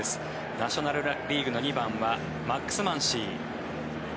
ナショナル・リーグの２番はマックス・マンシー。